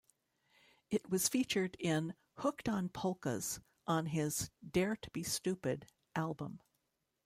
It was featured in "Hooked on Polkas" on his "Dare to be Stupid" album.